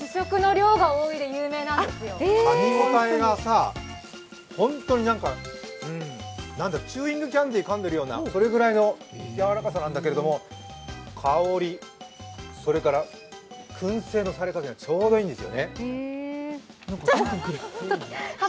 かみごたえが本当にチューイングキャンディーをかんでいるような、それぐらいのやわらかさなんだけど、香り、くん製のされ加減がちょうどいいんですよね。